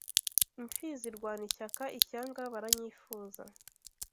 Imfizi irwana ishyaka, ishyanga, baranyifuza